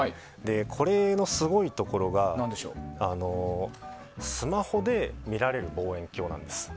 これのすごいところがスマホで見られる望遠鏡なんです。